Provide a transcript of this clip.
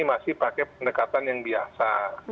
masih pakai pendekatan yang biasa